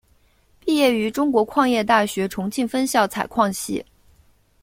毕业于中国矿业大学重庆分校采矿系。